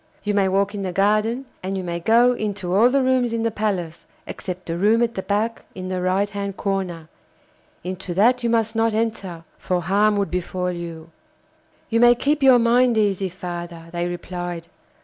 You may walk in the garden, and you may go into all the rooms in the palace, except the room at the back in the right hand corner; into that you must not enter, for harm would befall you.' 'You may keep your mind easy, father,' they replied.